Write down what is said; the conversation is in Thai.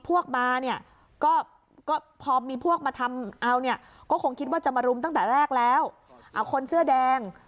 ว่าจะมารุมตั้งแต่แรกแล้วคนเสื้อแดง